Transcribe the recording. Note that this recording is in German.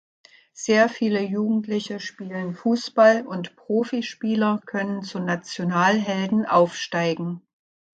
Sehr viele Jugendliche spielen Fußball, und Profi-Spieler können zu Nationalhelden aufsteigen.